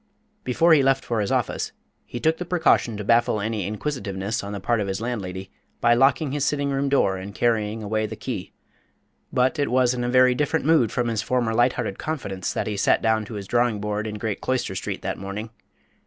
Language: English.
Before he left for his office he took the precaution to baffle any inquisitiveness on the part of his landlady by locking his sitting room door and carrying away the key, but it was in a very different mood from his former light hearted confidence that he sat down to his drawing board in Great Cloister Street that morning.